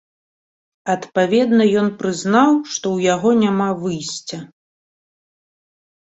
Адпаведна ён прызнаў, што ў яго няма выйсця.